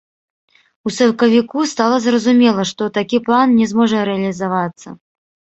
У сакавіку стала зразумела, што такі план не зможа рэалізавацца.